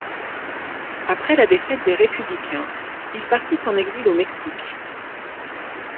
Après la défaite des républicains, il partit en exil au Mexique.